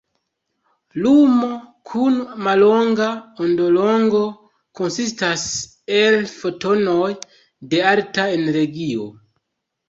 Lumo kun mallonga ondolongo konsistas el fotonoj de alta energio.